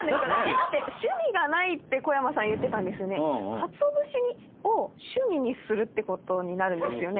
だって趣味がないって小山さん言ってたんですよね？ってことになるんですよね？